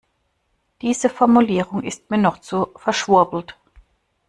Diese Formulierung ist mir noch zu verschwurbelt.